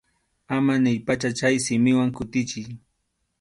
Ama niypacha chay simiwan kutichiy.